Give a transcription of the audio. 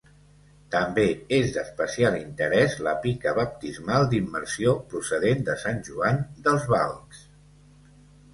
També és d'especial interès la pica baptismal d'immersió procedent de Sant Joan dels Balbs.